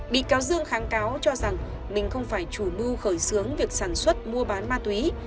bị cáo dương kháng cáo cho rằng mình không phải chủ mưu khởi xướng việc sản xuất mua bán ma túy